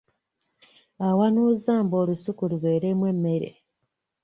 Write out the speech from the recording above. Awanuuza mbu olusuku lubeeremu emmere